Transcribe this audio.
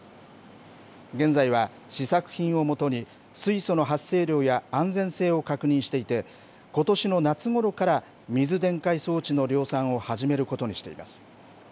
現在は試作品をもとに、水素の発生量や安全性を確認していて、ことしの夏ごろから、水電解装置の量産を始めることにしています。